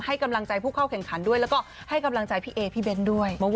ให้กำลังใจผู้เข้าแข่งขันด้วยแล้วก็ให้กำลังใจพี่เอพี่เบ้นด้วย